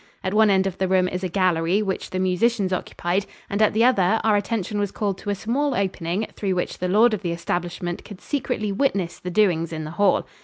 At one end of the room is a gallery which the musicians occupied, and at the other, our attention was called to a small opening through which the lord of the establishment could secretly witness the doings in the hall.